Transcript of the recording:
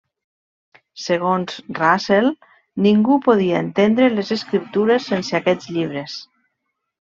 Segons Russell, ningú podia entendre les escriptures sense aquests llibres.